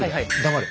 黙れ。